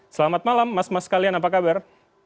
selamat malam mas mas kalian apa kabar